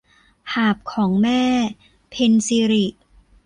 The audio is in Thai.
หาบของแม่ - เพ็ญศิริ